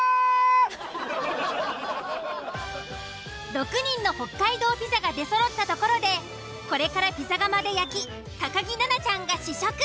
６人の北海道ピザが出そろったところでこれからピザ窯で焼き木菜那ちゃんが試食。